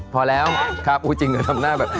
พอแล้วครับอุ้ยจริงทำหน้าแบบ